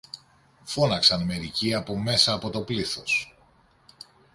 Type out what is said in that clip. φώναξαν μερικοί από μέσα από το πλήθος.